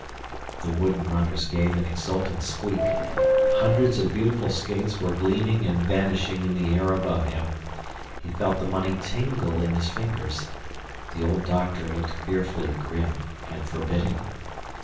The wooden runners gave an exultant squeak. Hundreds of beautiful skates were gleaming and vanishing in the air above him. He felt the money tingle in his fingers. The old doctor looked fearfully grim and forbidding.